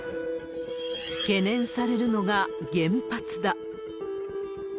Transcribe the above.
懸念されるのが原発だ。